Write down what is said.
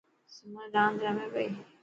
سمن ران رهي پئي.